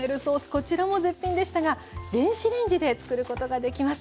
こちらも絶品でしたが電子レンジでつくることができます。